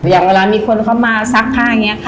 อย่างเวลามีคนเขามาซักผ้าอย่างนี้